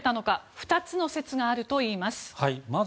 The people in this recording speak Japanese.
２つの説があるといいます。